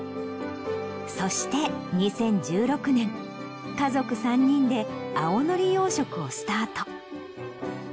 そして２０１６年家族３人で青のり養殖をスタート。